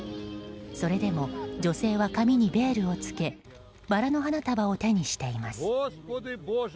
それでも女性は髪にベールを着けバラの花束を手にしています。